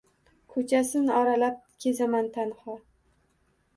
Ko‘chasin oralab kezaman tanho.